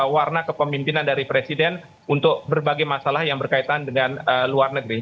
warna kepemimpinan dari presiden untuk berbagai masalah yang berkaitan dengan luar negeri